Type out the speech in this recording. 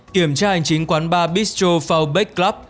kiểm tra hành chính quán ba bistro fallback club